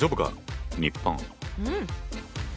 うん。